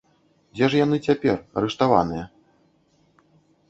Дзе ж яны цяпер, арыштаваныя?